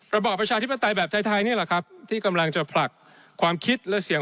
ระบอบประชาธิปไตยแบบไทยนี่แหละครับที่กำลังจะผลักความคิดและเสียง